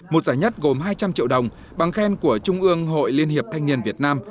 một giải nhất gồm hai trăm linh triệu đồng bằng khen của trung ương hội liên hiệp thanh niên việt nam